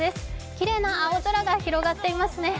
きれいな青空が広がっていますね。